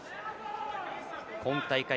今大会